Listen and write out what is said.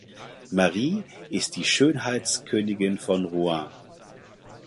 Marie ist die Schönheitskönigin von Rouen.